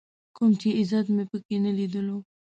کوم چې عزت مې په کې نه ليدلو.